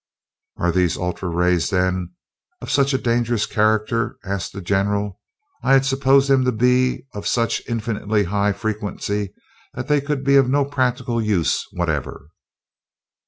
"Are these ultra rays, then, of such a dangerous character?" asked the general. "I had supposed them to be of such infinitely high frequency that they could be of no practical use whatever."